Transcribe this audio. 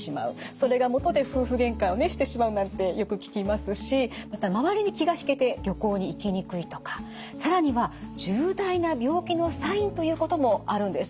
それがもとで夫婦げんかをしてしまうなんてよく聞きますしまた周りに気が引けて旅行に行きにくいとか更には重大な病気のサインということもあるんです。